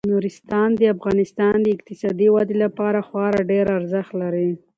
نورستان د افغانستان د اقتصادي ودې لپاره خورا ډیر ارزښت لري.